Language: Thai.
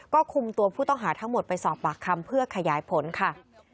ก็คุมตัวผู้ต้องหาทั้งหมดไปสอบปากคำเพื่อขยายผลค่ะ